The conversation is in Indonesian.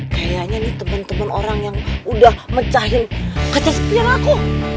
kayaknya nih temen temen orang yang udah mecahin kaca spion aku